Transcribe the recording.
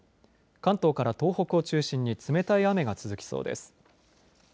関東から東北を中心に冷たい雨が続きそうです。